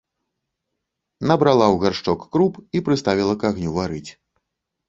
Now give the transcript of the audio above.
Набрала ў гаршчок круп і прыставіла к агню варыць.